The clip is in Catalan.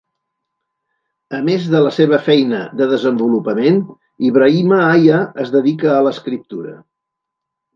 A més de la seva feina de desenvolupament, Ibrahima Aya es dedica a l'escriptura.